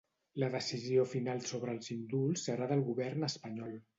La decisió final sobre els indults serà del govern espanyol.